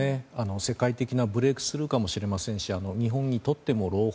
世界的なブレークスルーかもしれませんし日本にとっても朗報。